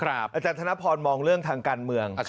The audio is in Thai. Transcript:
อาจารย์ธนพรมองเรื่องทางการเมือง